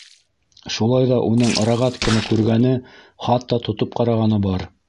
Шулай ҙа уның рогатканы күргәне, хатта тотоп ҡарағаны бар.